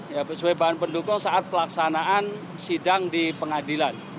sebagai bahan pendukung saat pelaksanaan sidang di pengadilan